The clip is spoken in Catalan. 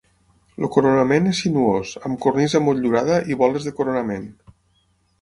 El coronament és sinuós, amb cornisa motllurada i boles de coronament.